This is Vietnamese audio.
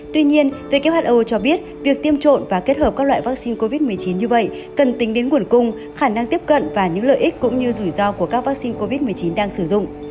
tuy nhiên who cho biết việc tiêm trộn và kết hợp các loại vaccine covid một mươi chín như vậy cần tính đến nguồn cung khả năng tiếp cận và những lợi ích cũng như rủi ro của các vaccine covid một mươi chín đang sử dụng